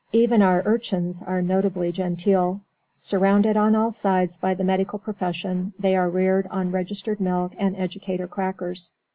Even our urchins are notably genteel. Surrounded on all sides by the medical profession, they are reared on registered milk and educator crackers.